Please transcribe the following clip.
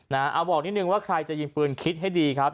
เอาบอกนิดนึงว่าใครจะยิงปืนคิดให้ดีครับ